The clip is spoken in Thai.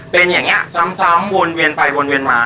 เป็นอย่างนี้ซ้ำวนเวียนไปวนเวียนมา